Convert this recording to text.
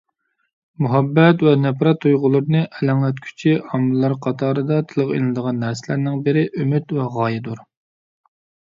مۇھەببەت ۋە نەپرەت تۇيغۇلىرىنى ئەلەڭلەتكۈچى ئامىللار قاتارىدا تىلغا ئېلىنىدىغان نەرسىلەرنىڭ بىرى ئۈمىد ۋە غايەدۇر.